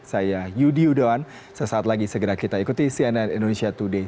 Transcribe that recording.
saya yudi yudhoan sesaat lagi segera kita ikuti cnn indonesia today